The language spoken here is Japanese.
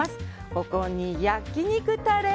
ここに焼き肉タレ。